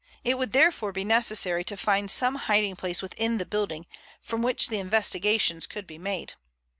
It would therefore be necessary to find some hiding place within the building from which the investigations could be made.